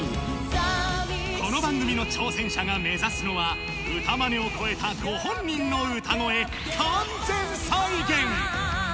この番組の挑戦者が目指すのは、歌マネを超えたご本人の歌声完全再現。